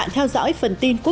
trong những năm qua